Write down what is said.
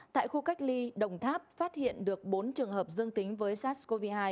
tại khu cách ly đồng tháp phát hiện được bốn trường hợp dương tính với sars cov hai